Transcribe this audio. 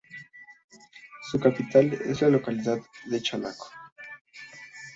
Su capital es la localidad de Chalaco.